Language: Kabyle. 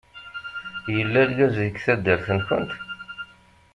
Yella lgaz deg taddart-nkent?